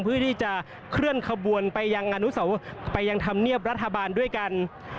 เพื่อที่จะเคลื่อนขบวนไปยังทำเนียบรัฐบาลด้วยกัน